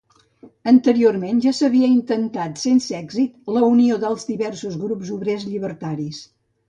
Anteriorment ja s'havia intentat sense èxit la unió dels diversos grups obrers llibertaris.